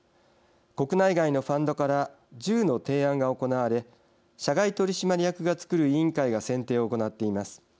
国内外のファンドから１０の提案が行われ社外取締役がつくる委員会が選定を行っています。